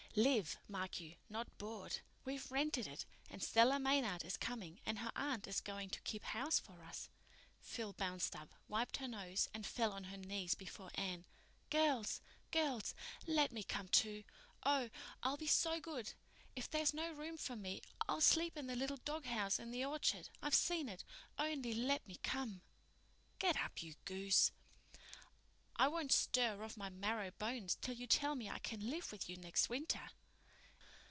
"Live, mark you, not board! We've rented it, and Stella Maynard is coming, and her aunt is going to keep house for us." Phil bounced up, wiped her nose, and fell on her knees before Anne. "Girls—girls—let me come, too. Oh, I'll be so good. If there's no room for me I'll sleep in the little doghouse in the orchard—I've seen it. Only let me come." "Get up, you goose." "I won't stir off my marrow bones till you tell me I can live with you next winter."